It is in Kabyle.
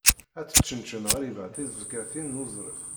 Ad teččenčen ɣriba tizebgatin n uẓref.